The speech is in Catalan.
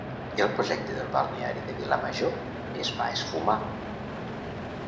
el projecte del balneari de Vilamajor es va esfumar